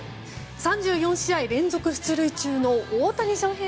３４試合連続出塁中の大谷翔平。